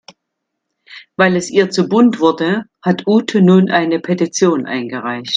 Weil es ihr zu bunt wurde, hat Ute nun eine Petition eingereicht.